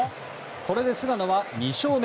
これで菅野は２勝目。